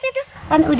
tuh udah di